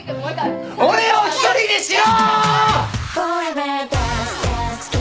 俺を一人にしろ！！